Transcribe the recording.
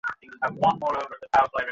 আপনি আবার দাঁড়িয়েছেন?